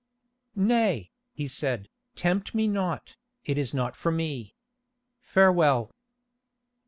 "Nay," he said, "tempt me not, it is not for me. Farewell."